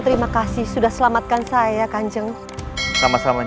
terima kasih kanjeng sunan